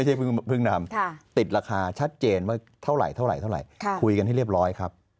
ไม่ใช่พฤมนัมติดราคาชัดเจนว่าเท่าไหร่คุยกันให้เรียบร้อยครับ